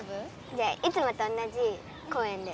じゃあいつもと同じ公園で。